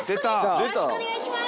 よろしくお願いします。